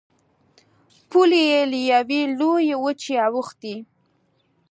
پولې یې له یوې لویې وچې اوښتې.